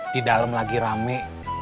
di dalam lagi rame